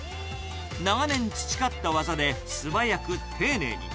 長年培った技で、素早く丁寧に。